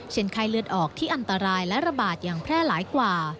ไข้เลือดออกที่อันตรายและระบาดอย่างแพร่หลายกว่า